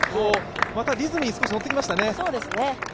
またリズムに少し乗ってきましたね。